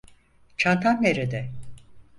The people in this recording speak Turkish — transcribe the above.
Çantam nerede?